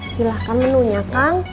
silahkan menunya kang